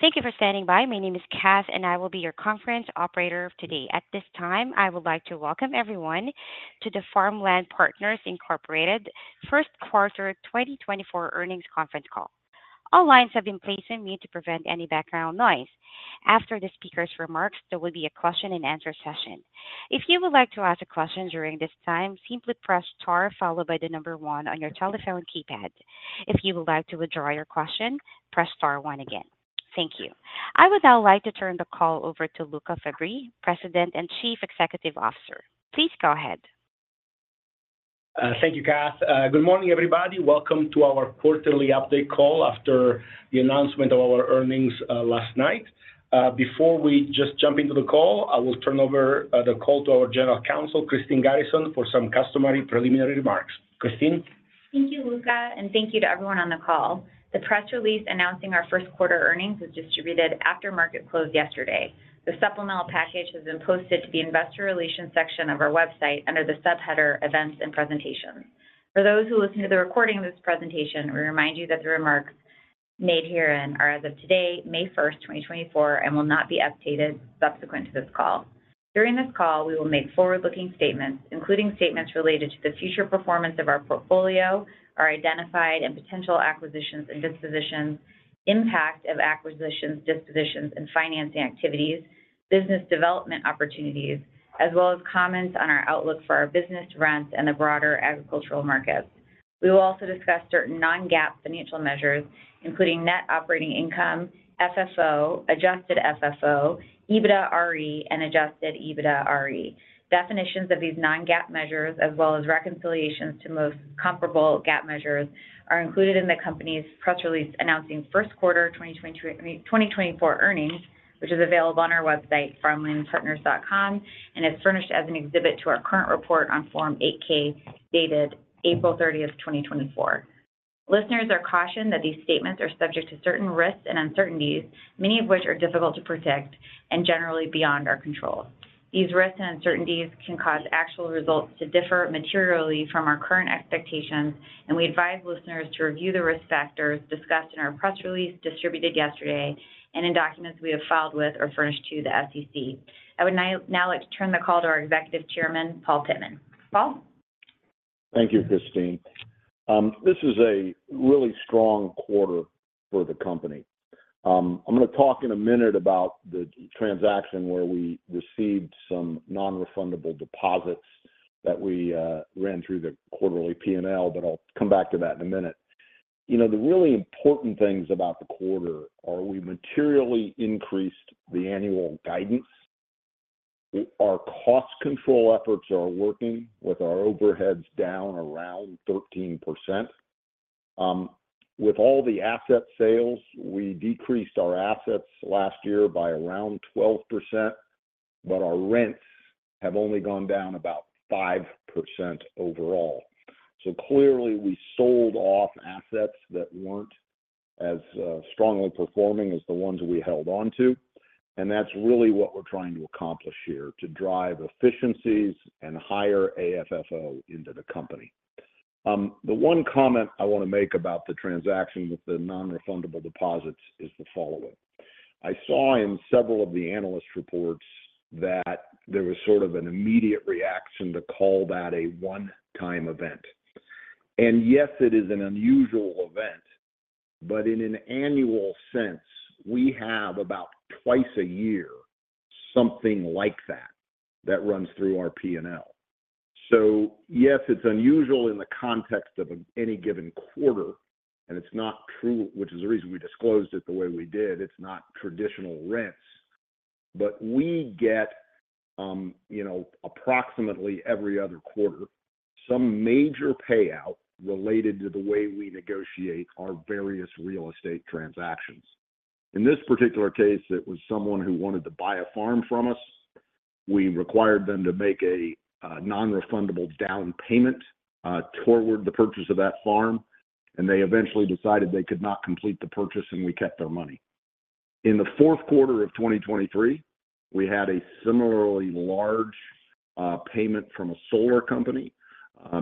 Thank you for standing by. My name is Cass, and I will be your conference operator today. At this time, I would like to welcome everyone to the Farmland Partners Incorporated first quarter 2024 earnings conference call. All lines have been placed on mute to prevent any background noise. After the speaker's remarks, there will be a question-and-answer session. If you would like to ask a question during this time, simply press star followed by the number one on your telephone keypad. If you would like to withdraw your question, press star one again. Thank you. I would now like to turn the call over to Luca Fabbri, President and Chief Executive Officer. Please go ahead. Thank you, Cass. Good morning, everybody. Welcome to our quarterly update call after the announcement of our earnings last night. Before we just jump into the call, I will turn over the call to our General Counsel, Christine Garrison, for some customary preliminary remarks. Christine? Thank you, Luca, and thank you to everyone on the call. The press release announcing our first quarter earnings was distributed after market close yesterday. The supplemental package has been posted to the Investor Relations section of our website under the subheader Events and Presentations. For those who listen to the recording of this presentation, we remind you that the remarks made herein are as of today, May 1st, 2024, and will not be updated subsequent to this call. During this call, we will make forward-looking statements, including statements related to the future performance of our portfolio, our identified and potential acquisitions and dispositions, impact of acquisitions, dispositions, and financing activities, business development opportunities, as well as comments on our outlook for our business to rents and the broader agricultural markets. We will also discuss certain non-GAAP financial measures, including net operating income, FFO, adjusted FFO, EBITDA-RE, and adjusted EBITDA-RE. Definitions of these non-GAAP measures, as well as reconciliations to most comparable GAAP measures, are included in the company's press release announcing first quarter 2024 earnings, which is available on our website, farmlandpartners.com, and is furnished as an exhibit to our current report on Form 8-K dated April 30th, 2024. Listeners are cautioned that these statements are subject to certain risks and uncertainties, many of which are difficult to predict and generally beyond our control. These risks and uncertainties can cause actual results to differ materially from our current expectations, and we advise listeners to review the risk factors discussed in our press release distributed yesterday and in documents we have filed with or furnished to the SEC. I would now like to turn the call to our Executive Chairman, Paul Pittman. Paul? Thank you, Christine. This is a really strong quarter for the company. I'm going to talk in a minute about the transaction where we received some non-refundable deposits that we ran through the quarterly P&L, but I'll come back to that in a minute. The really important things about the quarter are we materially increased the annual guidance. Our cost control efforts are working, with our overheads down around 13%. With all the asset sales, we decreased our assets last year by around 12%, but our rents have only gone down about 5% overall. So clearly, we sold off assets that weren't as strongly performing as the ones we held onto, and that's really what we're trying to accomplish here, to drive efficiencies and higher AFFO into the company. The one comment I want to make about the transaction with the non-refundable deposits is the following. I saw in several of the analyst reports that there was sort of an immediate reaction to call that a one-time event. And yes, it is an unusual event, but in an annual sense, we have about twice a year something like that that runs through our P&L. So yes, it's unusual in the context of any given quarter, and it's not true, which is the reason we disclosed it the way we did. It's not traditional rents. But we get approximately every other quarter some major payout related to the way we negotiate our various real estate transactions. In this particular case, it was someone who wanted to buy a farm from us. We required them to make a non-refundable down payment toward the purchase of that farm, and they eventually decided they could not complete the purchase, and we kept their money. In the fourth quarter of 2023, we had a similarly large payment from a solar company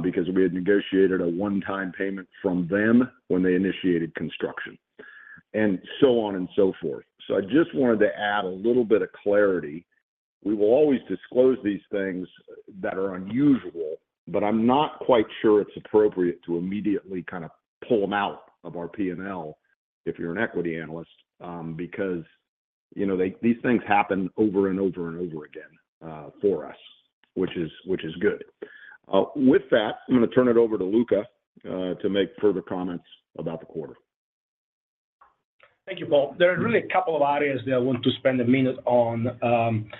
because we had negotiated a one-time payment from them when they initiated construction, and so on and so forth. So I just wanted to add a little bit of clarity. We will always disclose these things that are unusual, but I'm not quite sure it's appropriate to immediately kind of pull them out of our P&L if you're an equity analyst because these things happen over and over and over again for us, which is good. With that, I'm going to turn it over to Luca to make further comments about the quarter. Thank you, Paul. There are really a couple of areas that I want to spend a minute on. Kind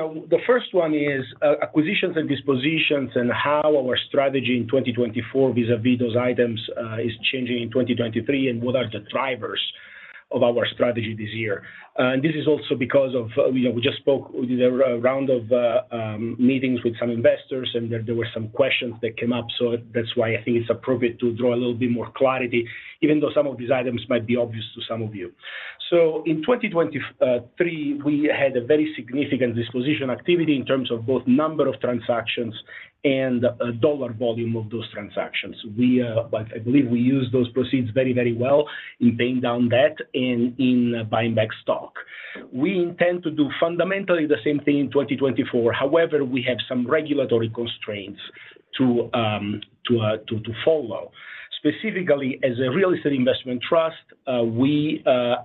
of the first one is acquisitions and dispositions and how our strategy in 2024 vis-à-vis those items is changing in 2023 and what are the drivers of our strategy this year. And this is also because of we just spoke we did a round of meetings with some investors, and there were some questions that came up, so that's why I think it's appropriate to draw a little bit more clarity, even though some of these items might be obvious to some of you. So in 2023, we had a very significant disposition activity in terms of both number of transactions and dollar volume of those transactions. I believe we used those proceeds very, very well in paying down debt and in buying back stock. We intend to do fundamentally the same thing in 2024. However, we have some regulatory constraints to follow. Specifically, as a real estate investment trust, we are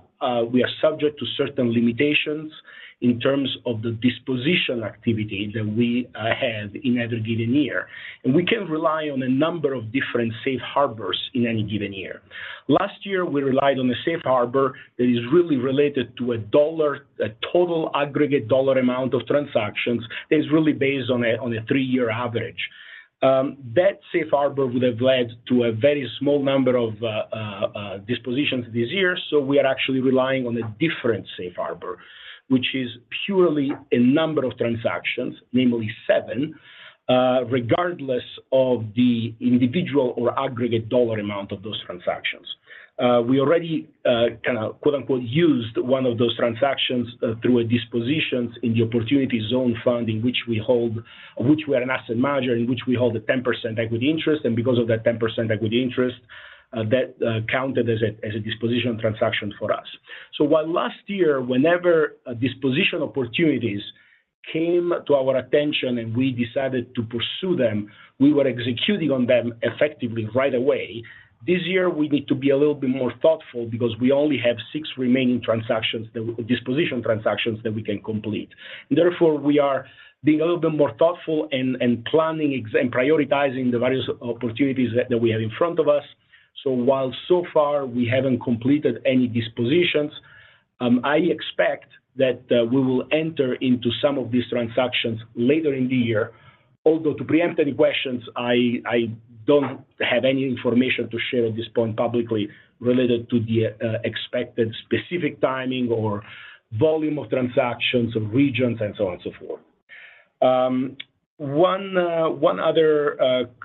subject to certain limitations in terms of the disposition activity that we have in every given year, and we can rely on a number of different safe harbors in any given year. Last year, we relied on a safe harbor that is really related to a total aggregate dollar amount of transactions that is really based on a three-year average. That safe harbor would have led to a very small number of dispositions this year, so we are actually relying on a different safe harbor, which is purely a number of transactions, namely seven, regardless of the individual or aggregate dollar amount of those transactions. We already kind of "used" one of those transactions through a disposition in the Opportunity Zone Fund in which we hold which we are an asset manager in which we hold a 10% equity interest, and because of that 10% equity interest, that counted as a disposition transaction for us. So while last year, whenever disposition opportunities came to our attention and we decided to pursue them, we were executing on them effectively right away, this year, we need to be a little bit more thoughtful because we only have six remaining transactions that disposition transactions that we can complete. And therefore, we are being a little bit more thoughtful and planning and prioritizing the various opportunities that we have in front of us. So while so far, we haven't completed any dispositions, I expect that we will enter into some of these transactions later in the year. Although to preempt any questions, I don't have any information to share at this point publicly related to the expected specific timing or volume of transactions or regions and so on and so forth. One other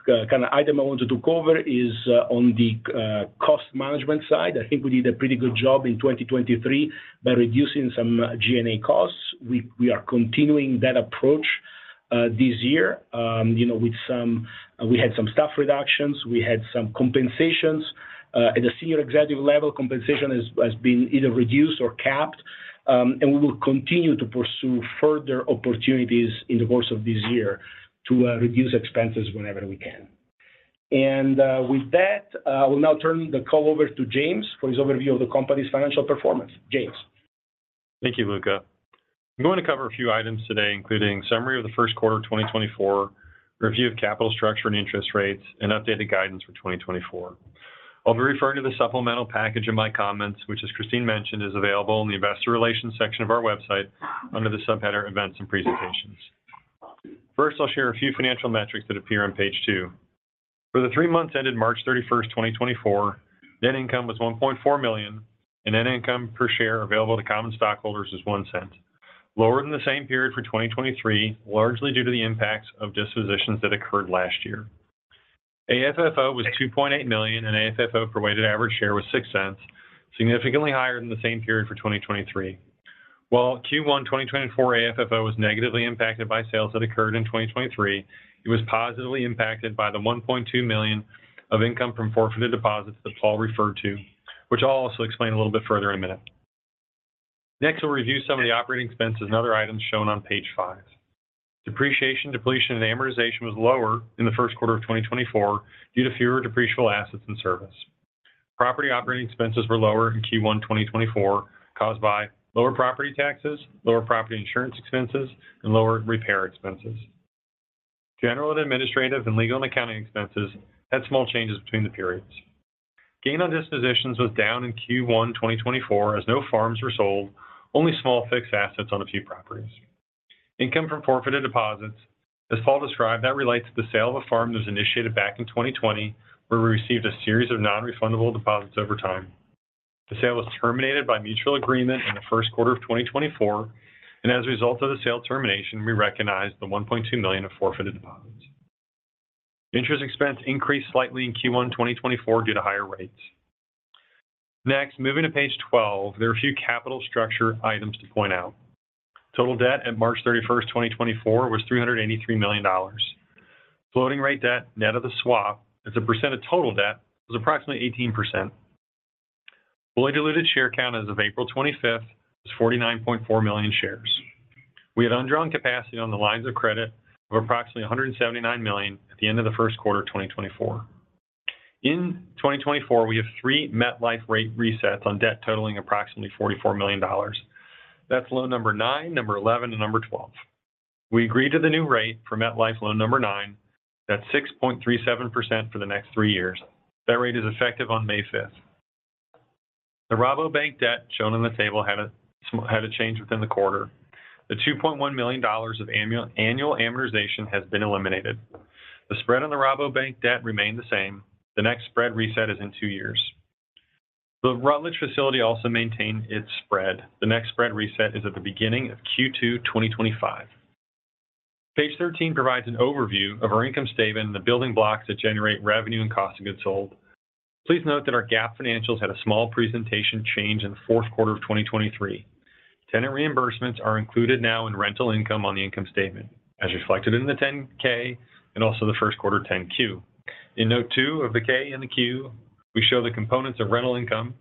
kind of item I wanted to cover is on the cost management side. I think we did a pretty good job in 2023 by reducing some G&A costs. We are continuing that approach this year with some staff reductions. We had some compensations. At the senior executive level, compensation has been either reduced or capped, and we will continue to pursue further opportunities in the course of this year to reduce expenses whenever we can. With that, I will now turn the call over to James for his overview of the company's financial performance. James. Thank you, Luca. I'm going to cover a few items today, including summary of the first quarter of 2024, review of capital structure and interest rates, and updated guidance for 2024. I'll be referring to the supplemental package in my comments, which, as Christine mentioned, is available in the Investor Relations section of our website under the sub-header Events and Presentations. First, I'll share a few financial metrics that appear on page two. For the three months ended March 31st, 2024, net income was $1.4 million, and net income per share available to common stockholders is $0.01, lower than the same period for 2023, largely due to the impacts of dispositions that occurred last year. AFFO was $2.8 million, and AFFO per weighted average share was $0.06, significantly higher than the same period for 2023. While Q1 2024 AFFO was negatively impacted by sales that occurred in 2023, it was positively impacted by the $1.2 million of income from forfeited deposits that Paul referred to, which I'll also explain a little bit further in a minute. Next, we'll review some of the operating expenses and other items shown on page five. Depreciation, depletion, and amortization was lower in the first quarter of 2024 due to fewer depreciable assets in service. Property operating expenses were lower in Q1 2024 caused by lower property taxes, lower property insurance expenses, and lower repair expenses. General and administrative and legal and accounting expenses had small changes between the periods. Gain on dispositions was down in Q1 2024 as no farms were sold, only small fixed assets on a few properties. Income from forfeited deposits, as Paul described, that relates to the sale of a farm that was initiated back in 2020 where we received a series of non-refundable deposits over time. The sale was terminated by mutual agreement in the first quarter of 2024, and as a result of the sale termination, we recognized the $1.2 million of forfeited deposits. Interest expense increased slightly in Q1 2024 due to higher rates. Next, moving to page 12, there are a few capital structure items to point out. Total debt at March 31st, 2024, was $383 million. Floating rate debt net of the swap as a percent of total debt was approximately 18%. Fully diluted share count as of April 25th was 49.4 million shares. We had undrawn capacity on the lines of credit of approximately $179 million at the end of the first quarter of 2024. In 2024, we have three MetLife rate resets on debt totaling approximately $44 million. That's loan number nine, number 11, and number 12. We agreed to the new rate for MetLife loan number nine. That's 6.37% for the next three years. That rate is effective on May 5th. The Rabobank debt shown in the table had a change within the quarter. The $2.1 million of annual amortization has been eliminated. The spread on the Rabobank debt remained the same. The next spread reset is in two years. The Rutledge facility also maintained its spread. The next spread reset is at the beginning of Q2 2025. Page 13 provides an overview of our income statement and the building blocks that generate revenue and cost of goods sold. Please note that our GAAP financials had a small presentation change in the fourth quarter of 2023. Tenant reimbursements are included now in rental income on the income statement as reflected in the 10-K and also the first quarter 10-Q. In note two of the K and the Q, we show the components of rental income,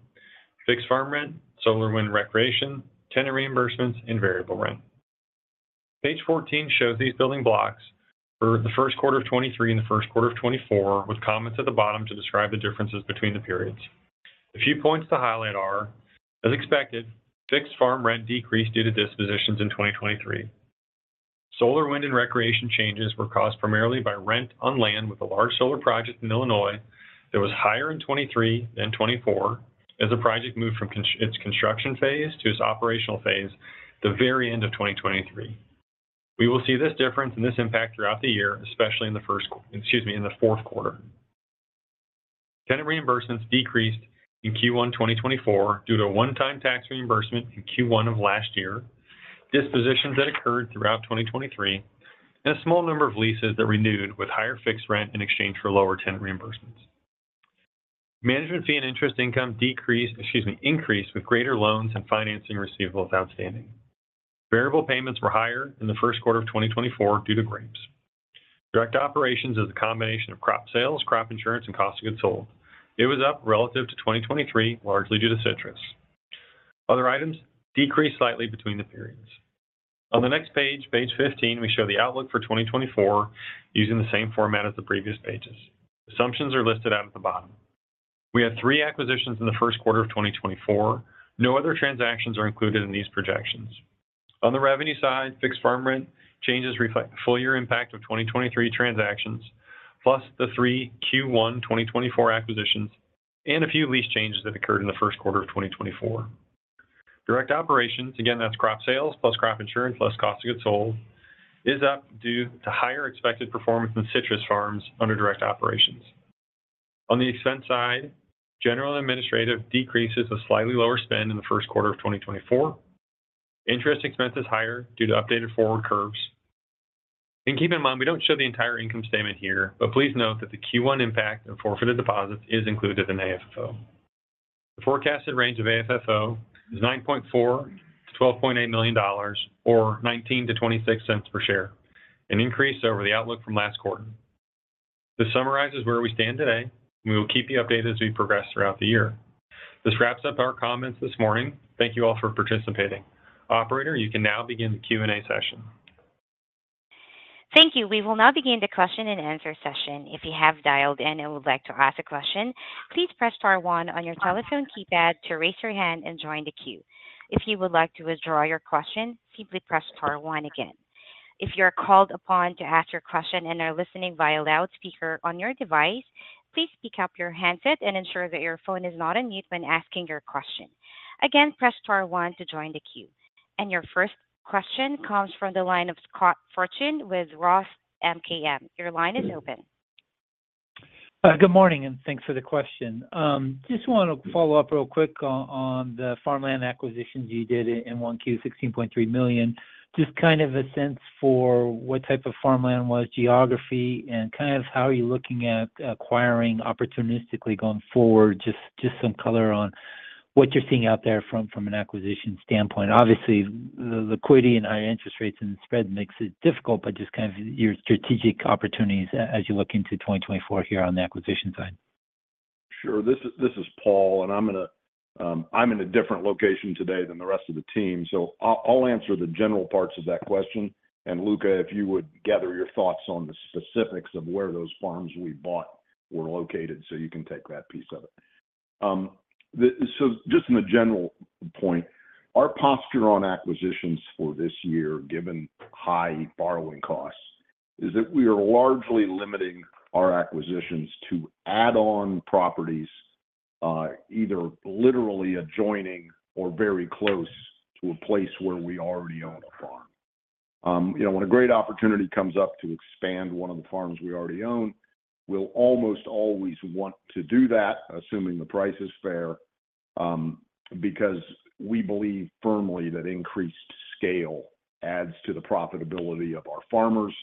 fixed farm rent, solar wind recreation, tenant reimbursements, and variable rent. Page 14 shows these building blocks for the first quarter of 2023 and the first quarter of 2024 with comments at the bottom to describe the differences between the periods. A few points to highlight are, as expected, fixed farm rent decreased due to dispositions in 2023. Solar wind and recreation changes were caused primarily by rent on land with a large solar project in Illinois that was higher in 2023 than 2024 as the project moved from its construction phase to its operational phase at the very end of 2023. We will see this difference and this impact throughout the year, especially in the first excuse me, in the fourth quarter. Tenant reimbursements decreased in Q1 2024 due to a one-time tax reimbursement in Q1 of last year, dispositions that occurred throughout 2023, and a small number of leases that renewed with higher fixed rent in exchange for lower tenant reimbursements. Management fee and interest income decreased excuse me, increased with greater loans and financing receivables outstanding. Variable payments were higher in the first quarter of 2024 due to grapes. Direct operations is a combination of crop sales, crop insurance, and cost of goods sold. It was up relative to 2023, largely due to citrus. Other items decreased slightly between the periods. On the next page, page 15, we show the outlook for 2024 using the same format as the previous pages. Assumptions are listed out at the bottom. We have three acquisitions in the first quarter of 2024. No other transactions are included in these projections. On the revenue side, fixed farm rent changes reflect the full-year impact of 2023 transactions plus the three Q1 2024 acquisitions and a few lease changes that occurred in the first quarter of 2024. Direct operations, again, that's crop sales plus crop insurance plus cost of goods sold, is up due to higher expected performance than citrus farms under direct operations. On the expense side, general and administrative decreases with slightly lower spend in the first quarter of 2024. Interest expense is higher due to updated forward curves. Keep in mind, we don't show the entire income statement here, but please note that the Q1 impact of forfeited deposits is included in AFFO. The forecasted range of AFFO is $9.4-$12.8 million or $0.19-$0.26 per share, an increase over the outlook from last quarter. This summarizes where we stand today, and we will keep you updated as we progress throughout the year. This wraps up our comments this morning. Thank you all for participating. Operator, you can now begin the Q&A session. Thank you. We will now begin the question and answer session. If you have dialed in and would like to ask a question, please press star one on your telephone keypad to raise your hand and join the queue. If you would like to withdraw your question, simply press star one again. If you are called upon to ask your question and are listening via loudspeaker on your device, please pick up your handset and ensure that your phone is not on mute when asking your question. Again, press star one to join the queue. Your first question comes from the line of Scott Fortune with Roth MKM. Your line is open. Good morning, and thanks for the question. Just want to follow up real quick on the farmland acquisitions you did in 1Q, $16.3 million. Just kind of a sense for what type of farmland was, geography, and kind of how are you looking at acquiring opportunistically going forward, just some color on what you're seeing out there from an acquisition standpoint. Obviously, the liquidity and higher interest rates and spread makes it difficult, but just kind of your strategic opportunities as you look into 2024 here on the acquisition side. Sure. This is Paul, and I'm in a different location today than the rest of the team, so I'll answer the general parts of that question. And Luca, if you would gather your thoughts on the specifics of where those farms we bought were located, so you can take that piece of it. So just in the general point, our posture on acquisitions for this year, given high borrowing costs, is that we are largely limiting our acquisitions to add-on properties, either literally adjoining or very close to a place where we already own a farm. When a great opportunity comes up to expand one of the farms we already own, we'll almost always want to do that, assuming the price is fair, because we believe firmly that increased scale adds to the profitability of our farmers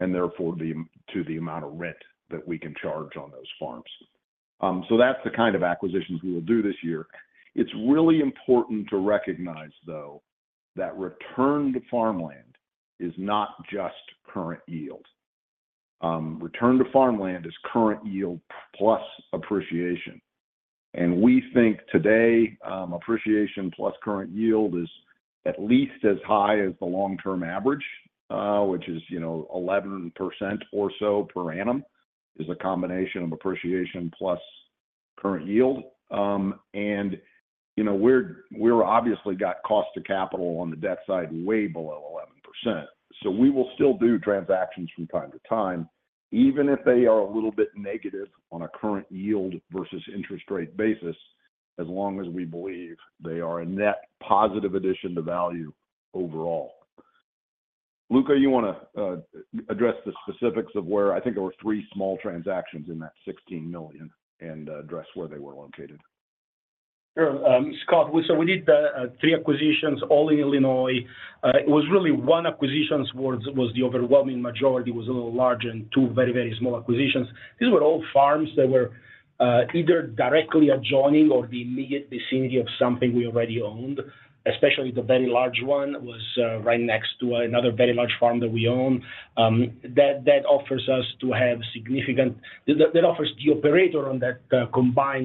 and therefore to the amount of rent that we can charge on those farms. So that's the kind of acquisitions we will do this year. It's really important to recognize, though, that return to farmland is not just current yield. Return to farmland is current yield plus appreciation. And we think today, appreciation plus current yield is at least as high as the long-term average, which is 11% or so per annum, is a combination of appreciation plus current yield. And we've obviously got cost of capital on the debt side way below 11%. So we will still do transactions from time to time, even if they are a little bit negative on a current yield versus interest rate basis, as long as we believe they are a net positive addition to value overall. Luca, you want to address the specifics of where I think there were three small transactions in that $16 million and address where they were located? Sure. Scott, so we did three acquisitions, all in Illinois. It was really one acquisition was the overwhelming majority, was a little larger, and two very, very small acquisitions. These were all farms that were either directly adjoining or the immediate vicinity of something we already owned, especially the very large one was right next to another very large farm that we own. That offers the operator on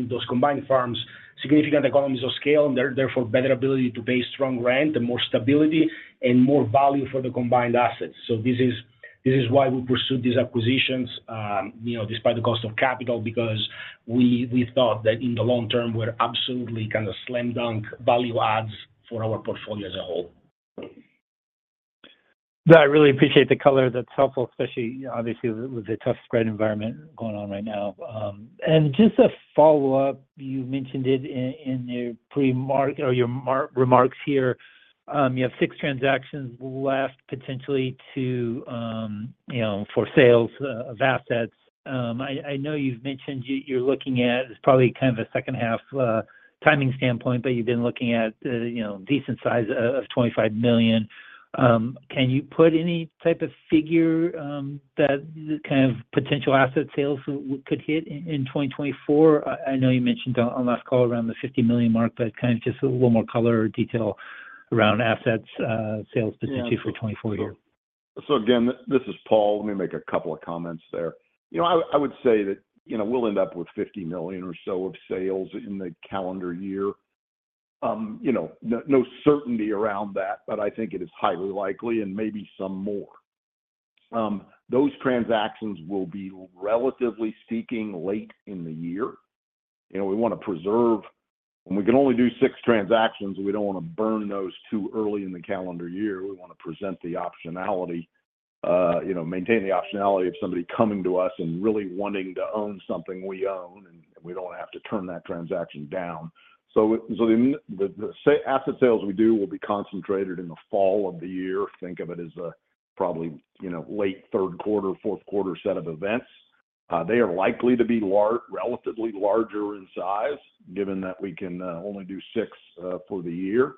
those combined farms significant economies of scale and therefore better ability to pay strong rent and more stability and more value for the combined assets. So this is why we pursued these acquisitions despite the cost of capital, because we thought that in the long term, we're absolutely kind of slam dunk value adds for our portfolio as a whole. No, I really appreciate the color. That's helpful, especially obviously with the tough spread environment going on right now. And just a follow-up, you mentioned it in your remarks here. You have six transactions left potentially for sales of assets. I know you've mentioned you're looking at it's probably kind of a second-half timing standpoint, but you've been looking at a decent size of $25 million. Can you put any type of figure that kind of potential asset sales could hit in 2024? I know you mentioned on last call around the $50 million mark, but kind of just a little more color or detail around asset sales potentially for 2024 here. So again, this is Paul. Let me make a couple of comments there. I would say that we'll end up with $50 million or so of sales in the calendar year. No certainty around that, but I think it is highly likely and maybe some more. Those transactions will be, relatively speaking, late in the year. We want to preserve when we can only do 6 transactions, we don't want to burn those too early in the calendar year. We want to present the optionality, maintain the optionality of somebody coming to us and really wanting to own something we own, and we don't want to have to turn that transaction down. So the asset sales we do will be concentrated in the fall of the year. Think of it as probably late third quarter, fourth quarter set of events. They are likely to be relatively larger in size, given that we can only do six for the year.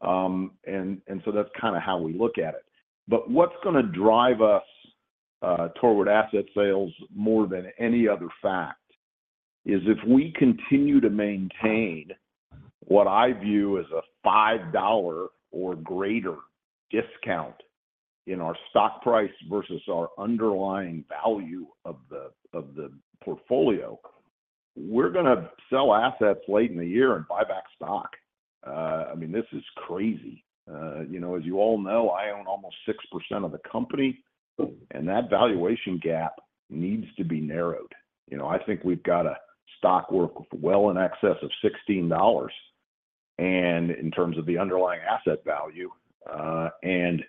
And so that's kind of how we look at it. But what's going to drive us toward asset sales more than any other fact is if we continue to maintain what I view as a $5 or greater discount in our stock price versus our underlying value of the portfolio, we're going to sell assets late in the year and buy back stock. I mean, this is crazy. As you all know, I own almost 6% of the company, and that valuation gap needs to be narrowed. I think we've got a stock worth well in excess of $16 in terms of the underlying asset value. And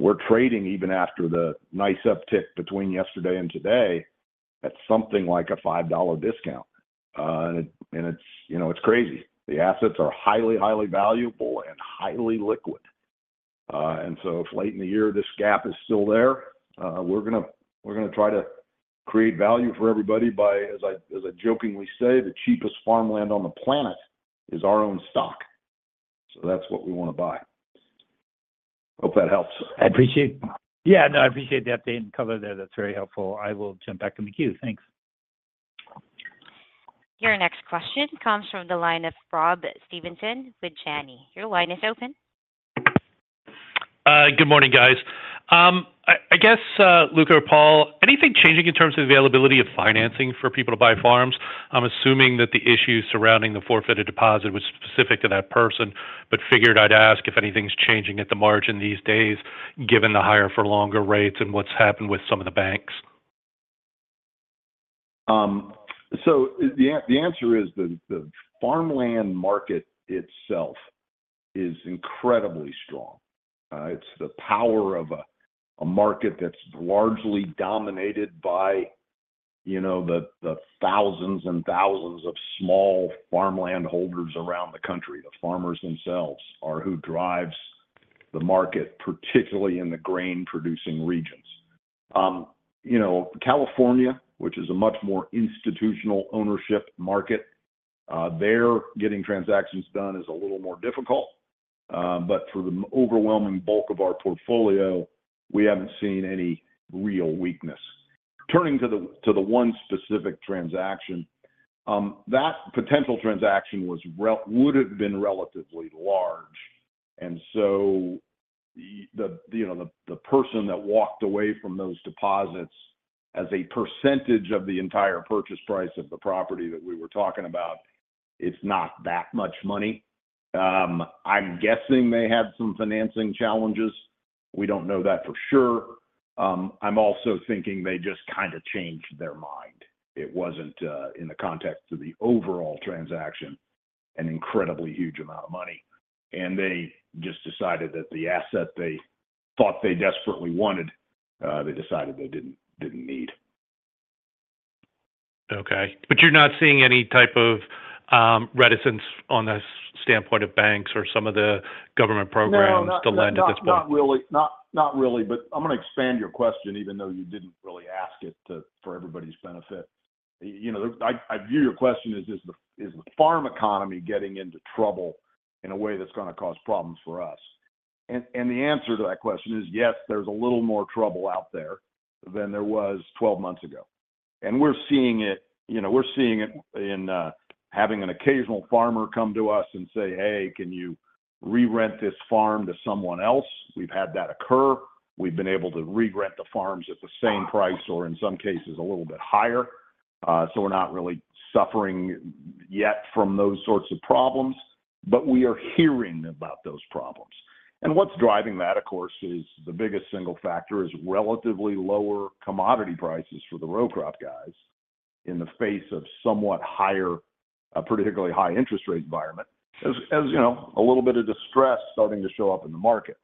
we're trading even after the nice uptick between yesterday and today at something like a $5 discount. And it's crazy. The assets are highly, highly valuable and highly liquid. And so if late in the year this gap is still there, we're going to try to create value for everybody by, as I jokingly say, the cheapest farmland on the planet is our own stock. So that's what we want to buy. Hope that helps. I appreciate, yeah, no, I appreciate the updating color there. That's very helpful. I will jump back in the queue. Thanks. Your next question comes from the line of Rob Stevenson with Janney. Your line is open. Good morning, guys. I guess, Luca, Paul, anything changing in terms of availability of financing for people to buy farms? I'm assuming that the issues surrounding the forfeited deposit was specific to that person, but figured I'd ask if anything's changing at the margin these days, given the higher-for-longer rates and what's happened with some of the banks. So the answer is the farmland market itself is incredibly strong. It's the power of a market that's largely dominated by the thousands and thousands of small farmland holders around the country. The farmers themselves are who drives the market, particularly in the grain-producing regions. California, which is a much more institutional ownership market, there getting transactions done is a little more difficult. But for the overwhelming bulk of our portfolio, we haven't seen any real weakness. Turning to the one specific transaction, that potential transaction would have been relatively large. And so the person that walked away from those deposits as a percentage of the entire purchase price of the property that we were talking about, it's not that much money. I'm guessing they had some financing challenges. We don't know that for sure. I'm also thinking they just kind of changed their mind. It wasn't in the context of the overall transaction, an incredibly huge amount of money. They just decided that the asset they thought they desperately wanted, they decided they didn't need. Okay. But you're not seeing any type of reticence on the standpoint of banks or some of the government programs to lend at this point? No, not really. Not really. But I'm going to expand your question, even though you didn't really ask it for everybody's benefit. I view your question as, "Is the farm economy getting into trouble in a way that's going to cause problems for us?" And the answer to that question is, yes, there's a little more trouble out there than there was 12 months ago. And we're seeing it. We're seeing it in having an occasional farmer come to us and say, "Hey, can you re-rent this farm to someone else?" We've had that occur. We've been able to re-rent the farms at the same price or, in some cases, a little bit higher. So we're not really suffering yet from those sorts of problems, but we are hearing about those problems. And what's driving that, of course, is the biggest single factor is relatively lower commodity prices for the row crop guys in the face of somewhat higher, particularly high interest rate environment, as a little bit of distress starting to show up in the market.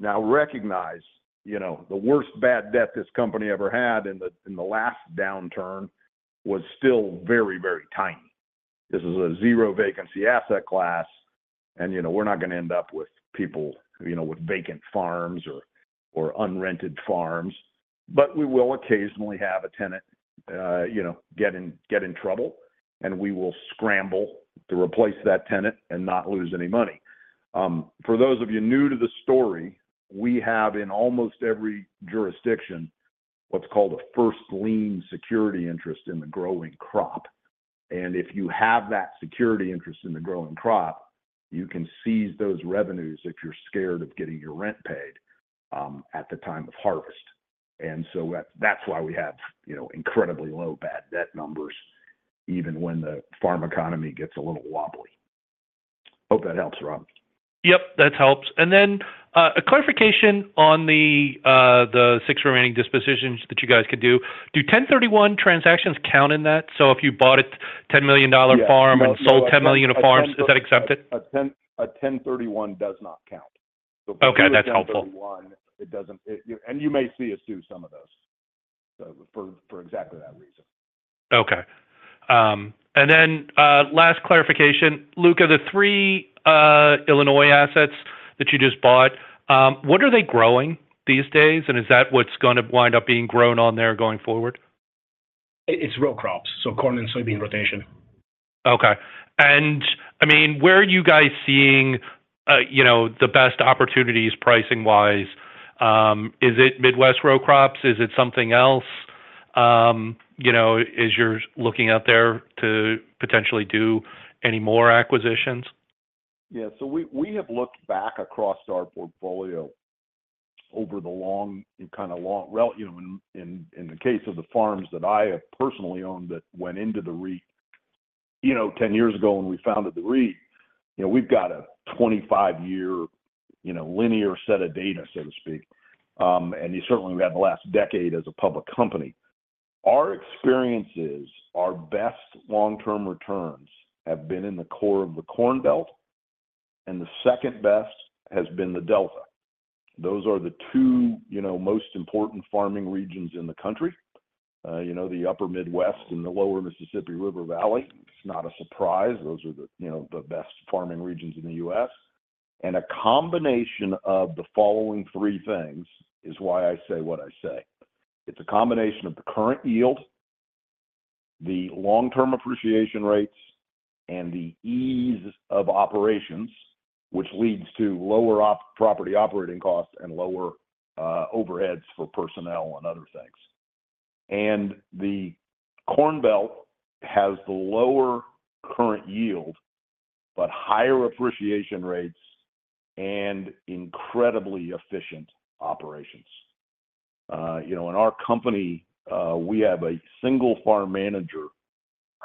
Now, recognize the worst bad debt this company ever had in the last downturn was still very, very tiny. This is a zero-vacancy asset class, and we're not going to end up with people with vacant farms or unrented farms. But we will occasionally have a tenant get in trouble, and we will scramble to replace that tenant and not lose any money. For those of you new to the story, we have, in almost every jurisdiction, what's called a first lien security interest in the growing crop. If you have that security interest in the growing crop, you can seize those revenues if you're scared of getting your rent paid at the time of harvest. So that's why we have incredibly low bad debt numbers, even when the farm economy gets a little wobbly. Hope that helps, Rob. Yep, that helps. And then a clarification on the six remaining dispositions that you guys can do. Do 1031 transactions count in that? So if you bought a $10 million farm and sold $10 million of farms, is that accepted? A 1031 does not count. So for 1031, it doesn't. And you may see us do some of those for exactly that reason. Okay. And then last clarification, Luca, the three Illinois assets that you just bought, what are they growing these days, and is that what's going to wind up being grown on there going forward? It's row crops, so corn and soybean rotation. Okay. And I mean, where are you guys seeing the best opportunities pricing-wise? Is it Midwest row crops? Is it something else? Are you looking out there to potentially do any more acquisitions? Yeah. So we have looked back across our portfolio over the long kind of long in the case of the farms that I have personally owned that went into the REIT 10 years ago when we founded the REIT, we've got a 25-year linear set of data, so to speak. And certainly, we've had the last decade as a public company. Our experiences, our best long-term returns have been in the core of the Corn Belt, and the second best has been the Delta. Those are the two most important farming regions in the country, the upper Midwest and the lower Mississippi River Valley. It's not a surprise. Those are the best farming regions in the U.S. And a combination of the following three things is why I say what I say. It's a combination of the current yield, the long-term appreciation rates, and the ease of operations, which leads to lower property operating costs and lower overheads for personnel and other things. The Corn Belt has the lower current yield but higher appreciation rates and incredibly efficient operations. In our company, we have a single farm manager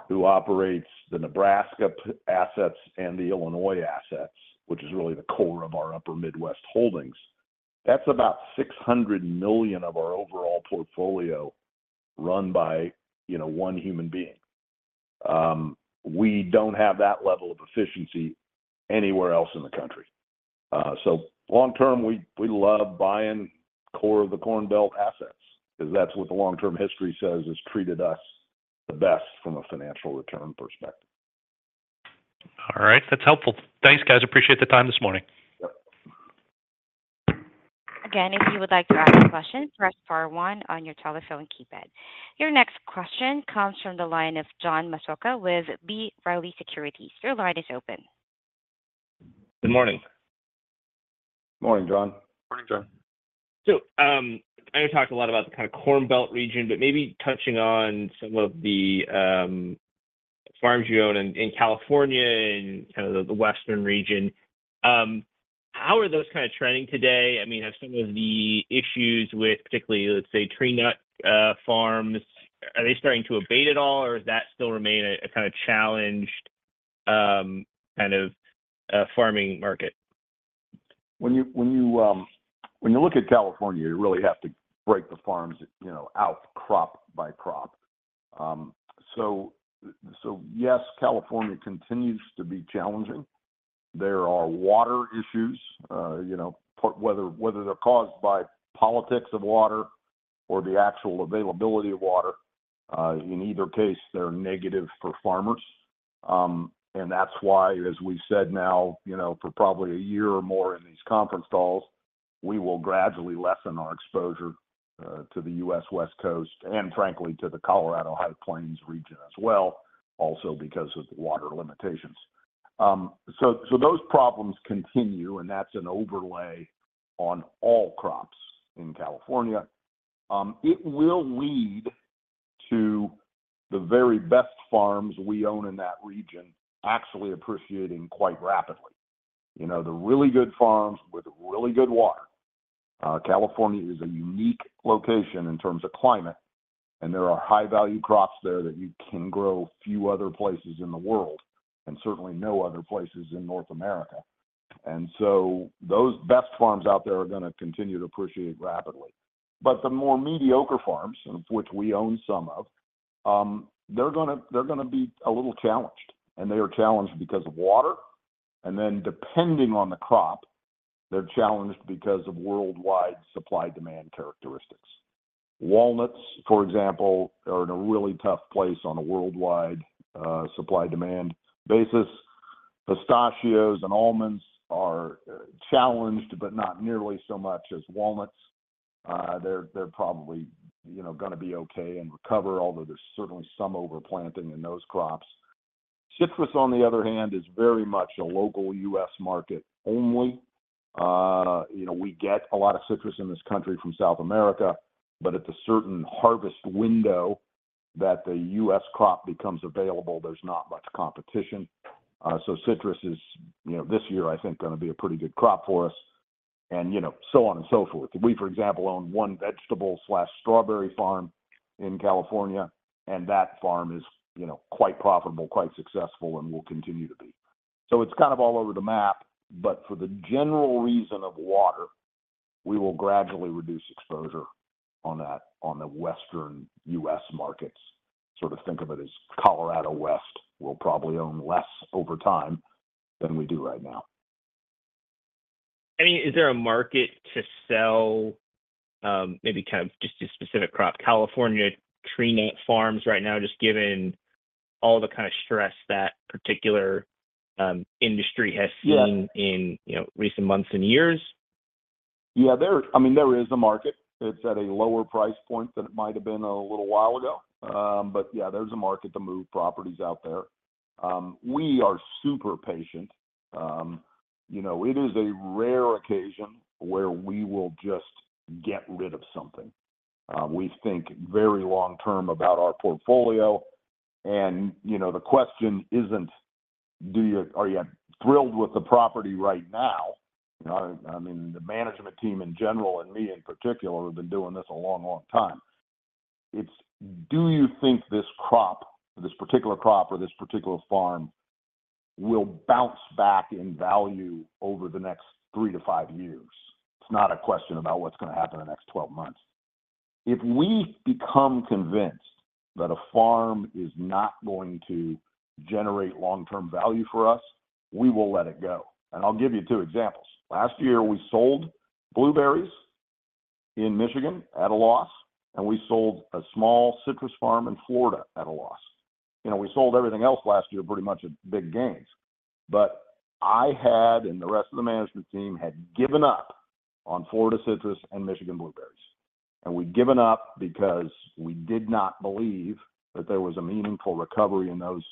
who operates the Nebraska assets and the Illinois assets, which is really the core of our upper Midwest holdings. That's about $600 million of our overall portfolio run by one human being. We don't have that level of efficiency anywhere else in the country. Long-term, we love buying core of the Corn Belt assets because that's what the long-term history says has treated us the best from a financial return perspective. All right. That's helpful. Thanks, guys. Appreciate the time this morning. Again, if you would like to ask a question, press star one on your telephone keypad. Your next question comes from the line of John Massocca with B. Riley Securities. Your line is open. Good morning. Morning, John. Morning, John. So I know you talked a lot about the kind of Corn Belt region, but maybe touching on some of the farms you own in California and kind of the western region, how are those kind of trending today? I mean, have some of the issues with particularly, let's say, tree nut farms, are they starting to abate at all, or does that still remain a kind of challenged kind of farming market? When you look at California, you really have to break the farms out crop by crop. So yes, California continues to be challenging. There are water issues, whether they're caused by politics of water or the actual availability of water. In either case, they're negative for farmers. And that's why, as we've said now for probably a year or more in these conference calls, we will gradually lessen our exposure to the U.S. West Coast and, frankly, to the Colorado High Plains region as well, also because of the water limitations. So those problems continue, and that's an overlay on all crops in California. It will lead to the very best farms we own in that region actually appreciating quite rapidly, the really good farms with really good water. California is a unique location in terms of climate, and there are high-value crops there that you can grow few other places in the world and certainly no other places in North America. And so those best farms out there are going to continue to appreciate rapidly. But the more mediocre farms, of which we own some of, they're going to be a little challenged. And they are challenged because of water. And then depending on the crop, they're challenged because of worldwide supply-demand characteristics. Walnuts, for example, are in a really tough place on a worldwide supply-demand basis. Pistachios and almonds are challenged, but not nearly so much as walnuts. They're probably going to be okay and recover, although there's certainly some overplanting in those crops. Citrus, on the other hand, is very much a local U.S. market only. We get a lot of citrus in this country from South America, but at the certain harvest window that the U.S. crop becomes available, there's not much competition. So citrus is, this year, I think, going to be a pretty good crop for us, and so on and so forth. We, for example, own one vegetable/strawberry farm in California, and that farm is quite profitable, quite successful, and will continue to be. So it's kind of all over the map. But for the general reason of water, we will gradually reduce exposure on the western U.S. markets. Sort of think of it as Colorado West will probably own less over time than we do right now. I mean, is there a market to sell maybe kind of just a specific crop? California tree nut farms right now, just given all the kind of stress that particular industry has seen in recent months and years? Yeah. I mean, there is a market. It's at a lower price point than it might have been a little while ago. But yeah, there's a market to move properties out there. We are super patient. It is a rare occasion where we will just get rid of something. We think very long-term about our portfolio. And the question isn't, "Are you thrilled with the property right now?" I mean, the management team in general and me in particular have been doing this a long, long time. It's, "Do you think this crop, this particular crop, or this particular farm will bounce back in value over the next three-five years?" It's not a question about what's going to happen in the next 12 months. If we become convinced that a farm is not going to generate long-term value for us, we will let it go. I'll give you two examples. Last year, we sold blueberries in Michigan at a loss, and we sold a small citrus farm in Florida at a loss. We sold everything else last year pretty much at big gains. But I had and the rest of the management team had given up on Florida citrus and Michigan blueberries. And we'd given up because we did not believe that there was a meaningful recovery in those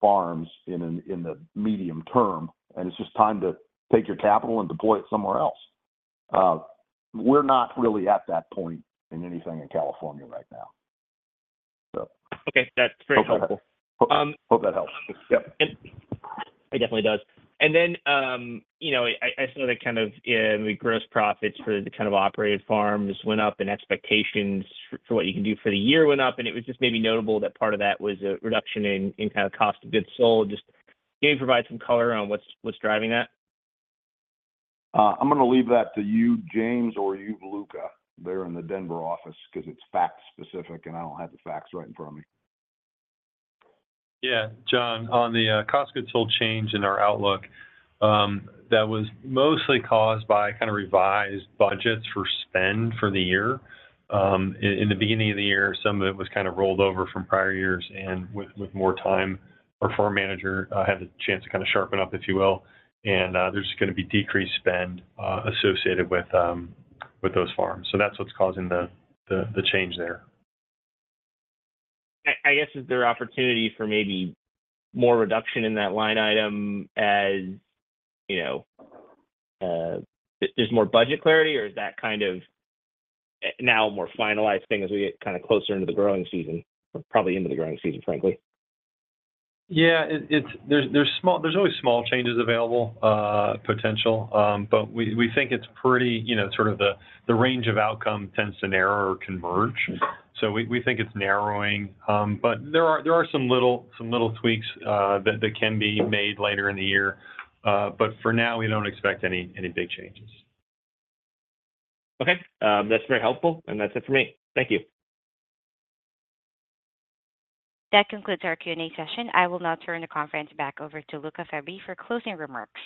farms in the medium term, and it's just time to take your capital and deploy it somewhere else. We're not really at that point in anything in California right now, so. Okay. That's very helpful. Hope that helps. Yep. It definitely does. Then I saw that kind of the gross profits for the kind of operated farms went up, and expectations for what you can do for the year went up. It was just maybe notable that part of that was a reduction in kind of cost of goods sold. Just can you provide some color on what's driving that? I'm going to leave that to you, James, or you, Luca, there in the Denver office because it's fact-specific, and I don't have the facts right in front of me. Yeah. John, on the cost of goods sold change in our outlook, that was mostly caused by kind of revised budgets for spend for the year. In the beginning of the year, some of it was kind of rolled over from prior years. And with more time, our farm manager had the chance to kind of sharpen up, if you will. And there's going to be decreased spend associated with those farms. So that's what's causing the change there. I guess, is there opportunity for maybe more reduction in that line item as there's more budget clarity, or is that kind of now a more finalized thing as we get kind of closer into the growing season, probably into the growing season, frankly? Yeah. There's always small changes available, potential. But we think it's pretty sort of the range of outcome tends to narrow or converge. So we think it's narrowing. But there are some little tweaks that can be made later in the year. But for now, we don't expect any big changes. Okay. That's very helpful. That's it for me. Thank you. That concludes our Q&A session. I will now turn the conference back over to Luca Fabbri for closing remarks.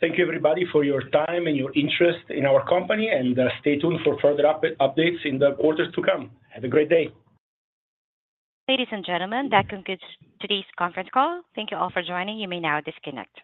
Thank you, everybody, for your time and your interest in our company. Stay tuned for further updates in the quarters to come. Have a great day. Ladies and gentlemen, that concludes today's conference call. Thank you all for joining. You may now disconnect.